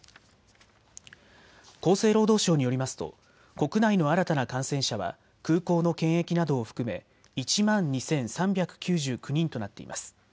厚生労働省によりますと国内の新たな感染者は空港の検疫などを含め１万２３９９人となっています。